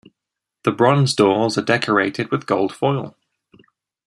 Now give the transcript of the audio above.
The bronze doors are decorated with gold foil.